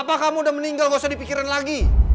apa kamu udah meninggal gak usah dipikirin lagi